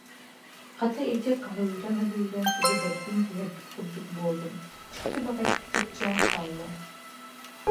Хата, ити хаһыыран-ыһыыран сүгэһэрбин түһэрбит курдук буоллум, дьикти баҕайытык чэпчээн хааллым